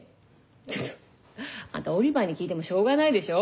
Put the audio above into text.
ちょっとあんたオリバーに聞いてもしょうがないでしょ。